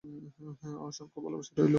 অসংখ ভালোবাসা রইলো, পূজা।